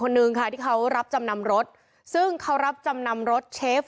นึงค่ะที่เขารับจำนำรถซึ่งเขารับจำนำรถเชฟ